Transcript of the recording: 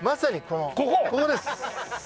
ここです！